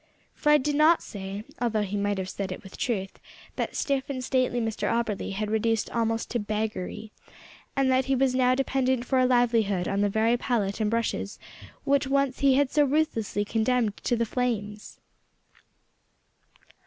Fred did not say although he might have said it with truth that stiff and stately Mr Auberly had been reduced almost to beggary, and that he was now dependent for a livelihood on the very palette and brushes which once he had so ruthlessly condemned to the flames!